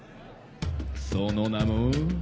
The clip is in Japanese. その名も。